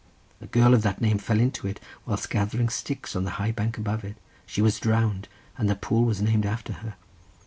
A girl of that name fell into it, whilst gathering sticks on the high bank above it. She was drowned, and the pool was named after her.